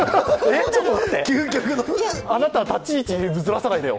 あなた立ち位置ずらさないでよ。